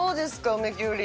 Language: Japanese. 梅きゅうり。